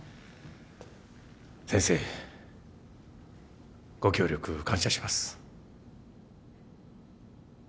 先生ご協力感謝します。